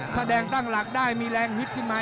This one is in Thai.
ถ้าแดงตั้งหลักได้มีแรงฮึดขึ้นมา